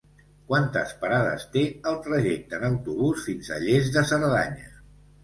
Quantes parades té el trajecte en autobús fins a Lles de Cerdanya?